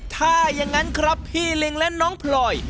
ถ้าอย่างนั้นครับพี่ลิงและน้องพลอย